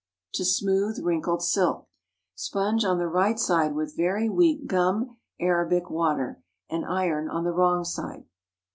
To Smooth Wrinkled Silk.—Sponge on the right side with very weak gum arabic water, and iron on the wrong side.